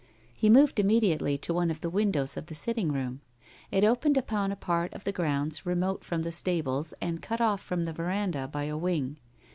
He moved immediately to one of the windows of the sitting room. It opened upon a part of the grounds remote from the stables and cut off from the veranda by a wing.